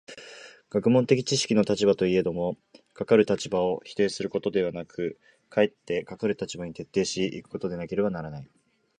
学問的知識の立場といえども、かかる立場を否定することではなく、かえってかかる立場に徹底し行くことでなければならない。